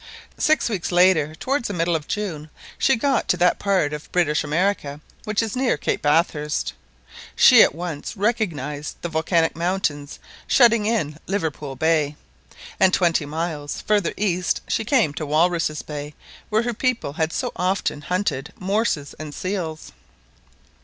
Six weeks later, towards the middle of June, she got to that part of British America which is near Cape Bathurst. She at once recognised the volcanic mountains shutting in Liverpool Bay, and twenty miles farther east she came to Walruses' Bay, where her people had so often hunted morses and seals.